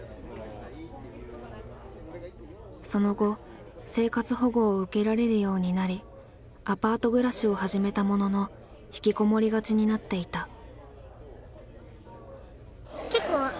その後生活保護を受けられるようになりアパート暮らしを始めたものの引きこもりがちになっていた。